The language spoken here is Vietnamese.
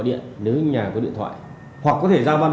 nên sau đó phải nên